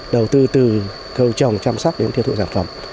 đầu tư từ khâu trồng chăm sóc đến tiêu thụ sản phẩm